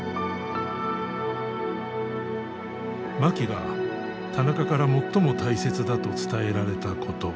槇が田中から最も大切だと伝えられたこと。